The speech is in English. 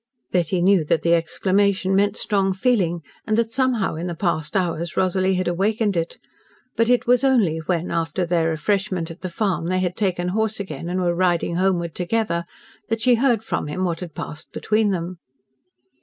Betty knew that the exclamation meant strong feeling, and that somehow in the past hours Rosalie had awakened it. But it was only when, after their refreshment at the farm, they had taken horse again and were riding homeward together, that she heard from him what had passed between them.